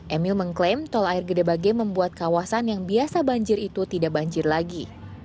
emil mengklaim tol air gede bage membuat kawasan yang biasa banjir itu tidak banjir lagi